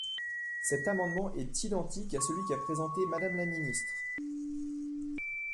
Cet amendement est identique à celui qu’a présenté Madame la ministre.